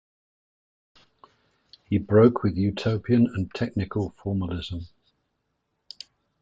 He broke with utopian and technical formalism.